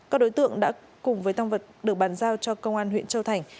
các đối tượng đã cùng với tăng vật được bàn giao cho công an huyện châu thành